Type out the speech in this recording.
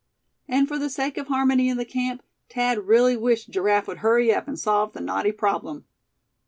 And for the sake of harmony in the camp, Thad really wished Giraffe would hurry up, and solve the knotty problem.